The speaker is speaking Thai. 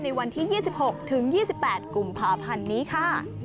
ในวันที่๒๖ถึง๒๘กุมภาพันธ์นี้ค่ะ